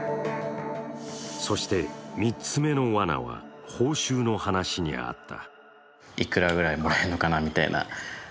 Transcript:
そして３つ目のわなは報酬の話にあった。